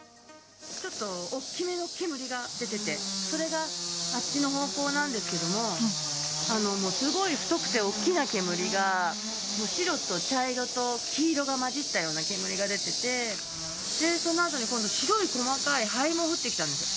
ちょっと大きめの煙が出てて、それがあっちの方向なんですけども、すごい太くて大きな煙が、白と茶色と黄色が混じったような煙が出てて、そのあとに今度、白い細かい灰も降ってきたんです。